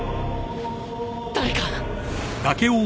誰か！